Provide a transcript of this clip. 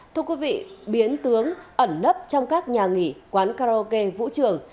thưa quý vị biến tướng ẩn nấp trong các nhà nghỉ quán karaoke vũ trường